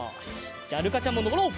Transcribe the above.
じゃあるかちゃんものぼろう！